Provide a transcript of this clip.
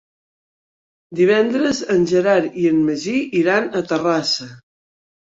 Divendres en Gerard i en Magí iran a Terrassa.